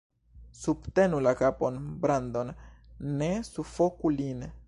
Subtenu la kapon Brandon. Ne sufoku lin.